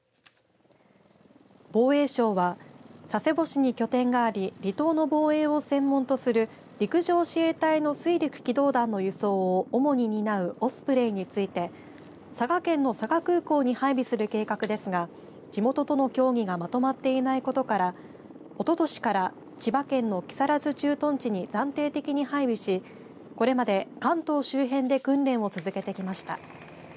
防衛省は佐世保市に拠点があり離島の防衛を専門とする陸上自衛隊の水陸機動団の輸送を主に担うオスプレイについて佐賀県の佐賀空港に配備する計画ですが地元との協議がまとまっていないことからおととしから千葉県の木更津駐屯地に暫定的に配備しこれまで関東周辺で訓練を続けてきました。